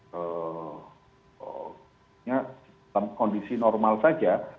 sebenarnya dalam kondisi normal saja